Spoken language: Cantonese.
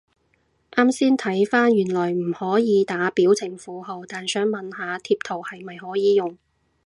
啱先睇返原來唔可以打表情符號，但想問下貼圖係咪可以用？